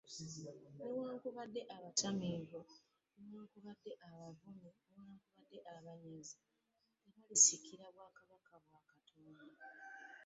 Newakubadde abatamiivu, newakubadde abavumi, newakubadde abanyazi, tebalisikira bwakabaka bwa Katonda.